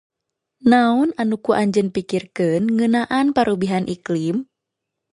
Naon anu ku anjeun pikirkeun ngeunaan parobihan iklim?